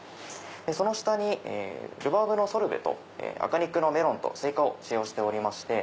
その下にルバーブのソルベと赤肉のメロンとスイカを使用しておりまして。